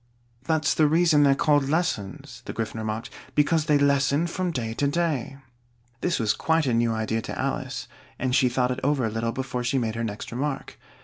"That's the reason they're called lessons," the Gryphon remarked: "because they lessen from day to day." This was quite a new idea to Alice, and she thought it over a little before she made her next remark.